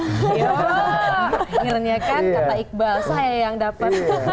oh akhirnya kan kata iqbal saya yang dapat